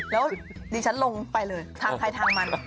แล้วดิฉันลงไปเลยทางใครทางมัน